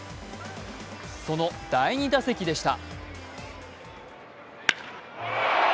その第２打席でした。